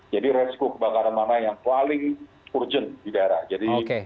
jadi perhubungan ini berjalan dengan lumayan baik